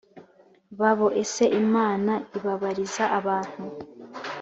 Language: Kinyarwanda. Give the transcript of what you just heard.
babo ese imana ibabariza abantu